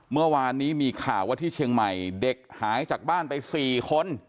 เมื่อวานนี้มีข่าวว่าที่เชียงใหม่เด็กหายจากบ้านไป๔คน